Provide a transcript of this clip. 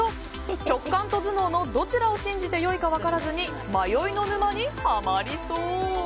直感と頭脳のどちらを信じてよいか分からずに迷いの沼にはまりそう。